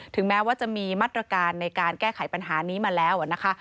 แม้ว่าจะมีมาตรการในการแก้ไขปัญหานี้มาแล้วนะคะ